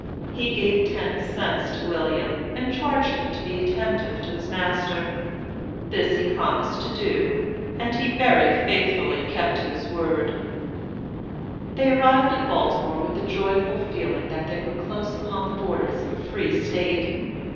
He gave ten cents to William, and charged him to be attentive to his master. This he promised to do, and he very faithfully kept his word. They arrived at Baltimore with the joyful feeling that they were close upon the borders of a Free State.